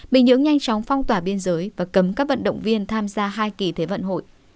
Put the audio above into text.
bình nhưỡng nhanh chóng phong tỏa biên giới và cấm các vận động viên tham gia hai kỳ thế vận hội